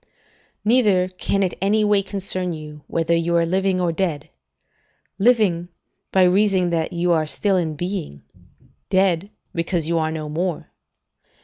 "Neither can it any way concern you, whether you are living or dead: living, by reason that you are still in being; dead, because you are no more.